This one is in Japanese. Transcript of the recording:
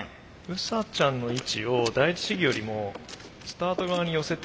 ウサちゃんの位置を第一試技よりもスタート側に寄せてる。